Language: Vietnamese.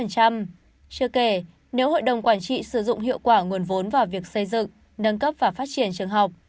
chưa kể nếu hội đồng quản trị sử dụng hiệu quả nguồn vốn vào việc xây dựng nâng cấp và phát triển trường học